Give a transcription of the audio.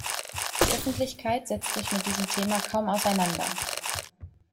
Die Öffentlichkeit setzt sich mit diesem Thema kaum auseinander.